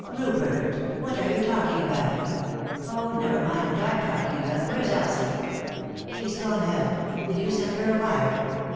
" Rupert 1 what are you talking about ?"" Oh, never mind what I'm talking about — where's Elsie ?" "She's gone out. Did you send her a wire